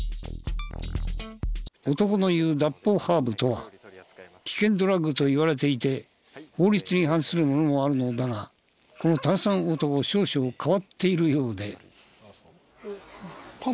男の言う脱法ハーブとは危険ドラッグといわれていて法律違反するものもあるのだがこの炭酸男少々変わっているようで。